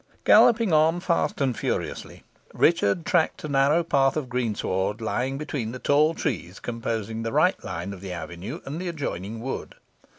Galloping on fast and furiously, Richard tracked a narrow path of greensward, lying between the tall trees composing the right line of the avenue and the adjoining wood.